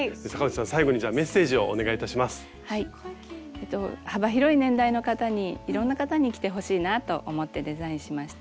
えっと幅広い年代の方にいろんな方に着てほしいなと思ってデザインしました。